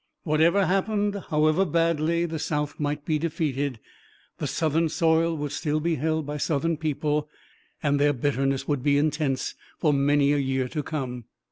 Whatever happened, however badly the South might be defeated, the Southern soil would still be held by Southern people, and their bitterness would be intense for many a year to come.